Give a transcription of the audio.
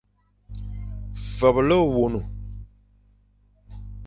Feble ôwôn.